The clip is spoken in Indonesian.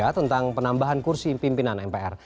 tentang penambahan kursi pimpinan mpr